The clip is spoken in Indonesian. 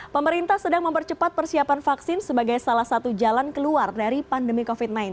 pemerintah sedang mempercepat persiapan vaksin sebagai salah satu jalan keluar dari pandemi covid sembilan belas